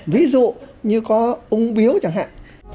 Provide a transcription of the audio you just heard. ví dụ như có ung biếu chẳng hạn